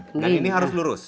dan ini harus lurus